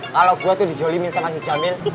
kalau gua tuh di jolimin sama si jamil